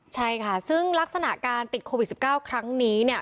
ใช่ค่ะซึ่งลักษณะการติดโควิด๑๙ครั้งนี้เนี่ย